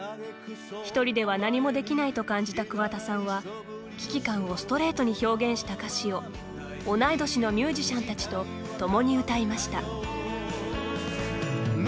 一人では何もできないと感じた桑田さんは危機感をストレートに表現した歌詞を同い年のミュージシャンたちと共に歌いました。